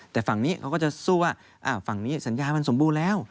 แต่ฝั่งนี้เขาก็จะสู้ว่าฝั่งนี้สัญญามันสมบูรณ์แล้ว